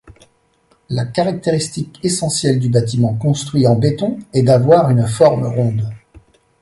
La caractéristique essentielle du bâtiment construit en béton est d'avoir une forme ronde.